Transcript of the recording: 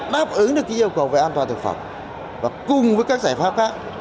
đáp ứng được yêu cầu về an toàn thực phẩm và cùng với các giải pháp khác